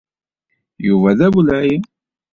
Yuba d awelɛi.